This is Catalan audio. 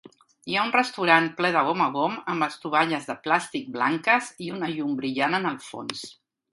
Hi ha un restaurant ple de gom a gom amb estovalles de plàstic blanques i una llum brillant en el fons.